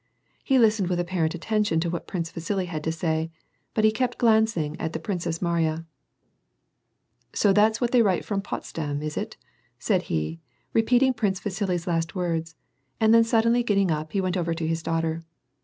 He listened with apparent attention to what Prince Vasili had to say, but he kept glancing at the Princess Mariya, " JSo that's what they write from Potsdam, is it ?" said he, repeating Prince Vasili's last words, and then suddenly get ting up, he went over to his daughter.